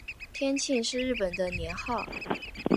天庆是日本的年号。